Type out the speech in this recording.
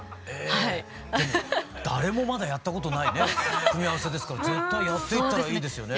でも誰もまだやったことないね組み合わせですから絶対やっていったらいいですよね。